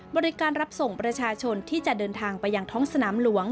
บริการรับส่งประชาชนที่จะเดินทางไปยังท้องสนามหลวง